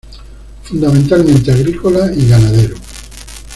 Fundamentalmente agrícola y ganadero.